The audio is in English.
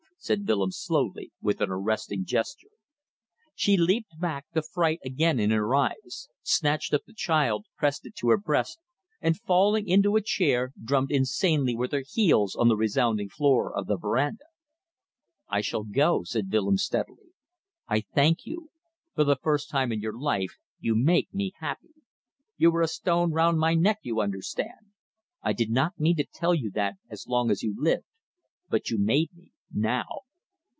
said Willems, slowly, with an arresting gesture. She leaped back, the fright again in her eyes, snatched up the child, pressed it to her breast, and, falling into a chair, drummed insanely with her heels on the resounding floor of the verandah. "I shall go," said Willems, steadily. "I thank you. For the first time in your life you make me happy. You were a stone round my neck; you understand. I did not mean to tell you that as long as you lived, but you made me now.